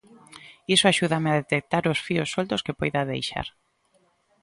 Iso axúdame a detectar os fíos soltos que poida deixar.